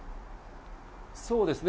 そうですね。